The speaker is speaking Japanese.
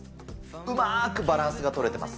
うまーくバランスが取れてます。